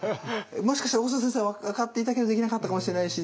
もしかしたら大塩先生分かっていたけどできなかったかもしれないし